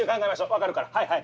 分かるからはいはい。